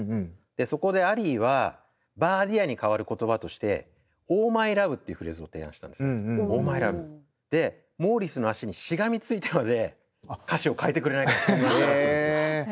でそこでアリーは「バーディヤー」に代わる言葉として「オーマイラブ」っていうフレーズを提案したんですね「オーマイラブ」。でモーリスの足にしがみついてまで歌詞を変えてくれないかって懇願したらしいんですよ。